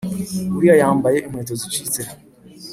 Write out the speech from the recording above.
Uriya yambaye inkweto zicitse